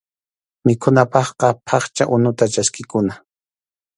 Mikhunapaqqa phaqcha unuta chaskikuna.